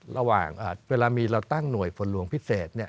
ระหว่างเวลามีเราตั้งหน่วยฝนหลวงพิเศษ